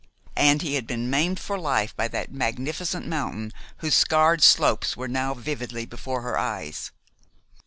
And he had been maimed for life by that magnificent mountain whose scarred slopes were now vividly before her eyes.